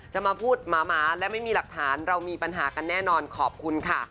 จะมาพูดหมาและไม่มีหลักฐานเรามีปัญหากันแน่นอนขอบคุณค่ะ